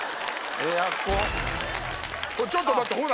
ちょっと待ってほら！